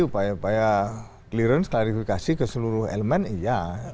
upaya upaya clearance klarifikasi ke seluruh elemen iya